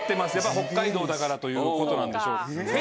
北海道だからということなんでしょう。